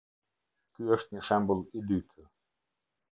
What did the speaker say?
Ky është një shembull i dytë.